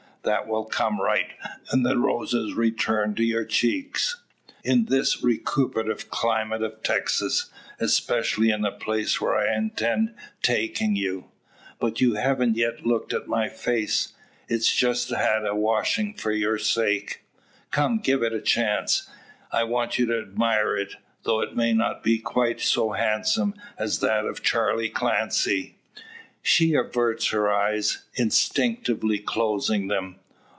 That will come right, and the roses return to your cheeks, in this recuperative climate of Texas; especially in the place where I intend taking you. But you hav'nt yet looked at my face. It's just had a washing for your sake. Come give it a glance! I want you to admire it, though it may not be quite so handsome as that of Charley Clancy." She averts her eyes, instinctively closing them.